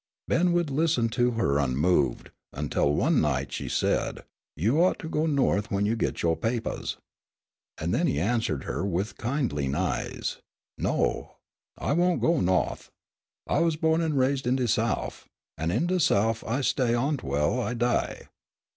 Ben would listen to her unmoved, until one night she said: "You ought to go North when you gits yo' papahs." Then he had answered her, with kindling eyes: "No, I won't go Nawth! I was bo'n an' raised in de Souf, an' in de Souf I stay ontwell I die.